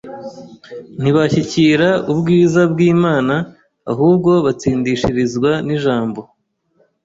ntibashyikira ubwiza bw’Imana ahubwo batsindishirizwa n’ijambo